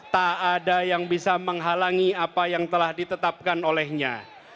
tak ada yang bisa menghalangi apa yang telah ditetapkan olehnya